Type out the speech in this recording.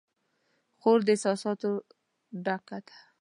خور د احساساتو ډکه ده.